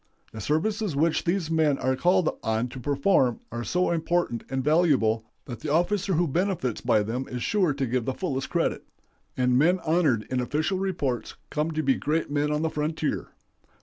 The services which these men are called on to perform are so important and valuable that the officer who benefits by them is sure to give the fullest credit, and men honored in official reports come to be great men on the frontier.